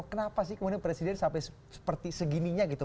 kenapa sih kemudian presiden sampai seperti segininya gitu